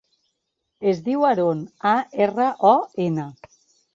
Es diu Aron: a, erra, o, ena.